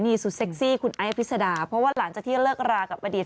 นี่สุดเซ็กซี่คุณไอ้อภิษดาเพราะว่าหลังจากที่เลิกรากับอดีต